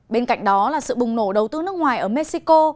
bên cạnh đó là sự bùng nổ đầu tư nước ngoài ở mexico